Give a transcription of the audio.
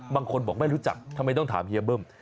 บางคนบอกไม่รู้จักทำไมต้องถามเฮียเบิ้ม